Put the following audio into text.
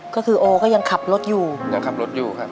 ก็คือโอก็ยังขับรถอยู่ยังขับรถอยู่ครับ